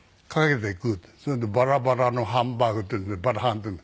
それでバラバラのハンバーグっていうんでバラハンっていうの。